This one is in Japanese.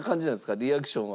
リアクションは。